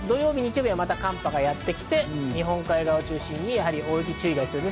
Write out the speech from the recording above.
土曜日、日曜日はまた寒波がやってきて、日本海側を中心に大雪に注意が必要です。